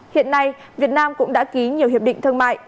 hiện nay việt nam cũng đã ký nhiều hiệp định thương mại